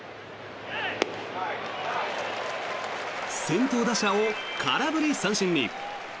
先頭打者を空振り三振に。